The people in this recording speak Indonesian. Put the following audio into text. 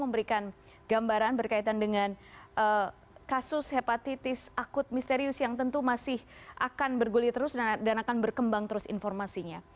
memberikan gambaran berkaitan dengan kasus hepatitis akut misterius yang tentu masih akan berguli terus dan akan berkembang terus informasinya